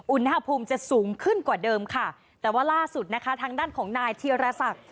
อุณหภูมิจะสูงขึ้นกว่าเดิมค่ะแต่ว่าล่าสุดนะคะทางด้านของนายธีรศักดิ์